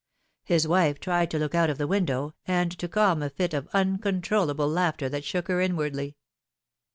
His Avife tried to look out of the AvindoAV, and to calm a fit of uncontrollable laughter that shook her inAvardly.